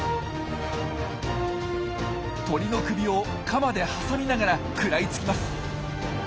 鳥の首をカマで挟みながら食らいつきます。